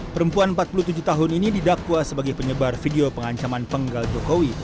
perempuan empat puluh tujuh tahun ini didakwa sebagai penyebar video pengancaman penggal jokowi